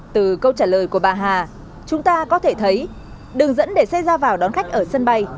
từ câu trả lời của bà hà chúng ta có thể thấy đường dẫn để xe ra vào đón khách ở sân bay